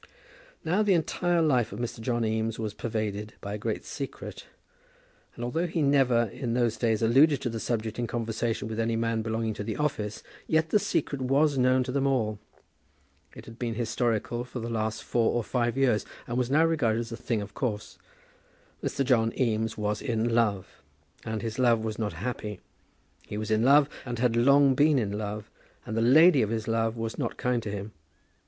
Now the entire life of Mr. John Eames was pervaded by a great secret; and although he never, in those days, alluded to the subject in conversation with any man belonging to the office, yet the secret was known to them all. It had been historical for the last four or five years, and was now regarded as a thing of course. Mr. John Eames was in love, and his love was not happy. He was in love, and had long been in love, and the lady of his love was not kind to him.